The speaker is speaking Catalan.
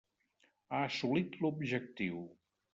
Ha assolit l'objectiu.